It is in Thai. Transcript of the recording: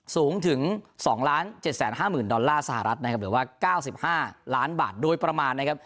สูงถึงสองล้านเจ็ดแสนห้าหมื่นดอลลาร์สหรัฐนะครับเหลือว่าเก้าสิบห้าล้านบาทโดยประมาณนะครับ